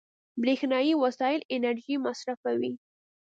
برېښنایي وسایل انرژي مصرفوي.